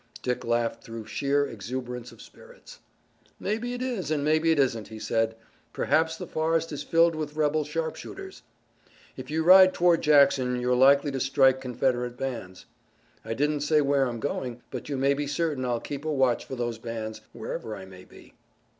Dick laughed through sheer exuberance of spirits. "Maybe it is and maybe it isn't," he said. "Perhaps the forest is filled with rebel sharpshooters." "If you ride toward Jackson you're likely to strike Confederate bands." "I didn't say where I'm going, but you may be certain I'll keep a watch for those bands wherever I may be."